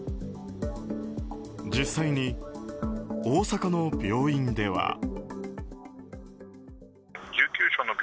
実際に大阪の病院では。